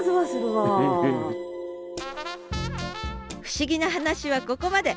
不思議な話はここまで！